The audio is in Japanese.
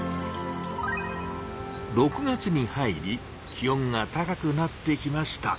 ６月に入り気温が高くなってきました。